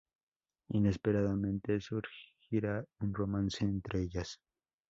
Inesperadamente, surgirá un romance entre ellas.